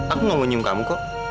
aku nggak mau nyium kamu kok